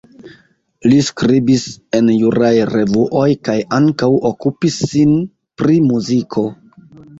Li skribis en juraj revuoj kaj ankaŭ okupis sin pri muziko.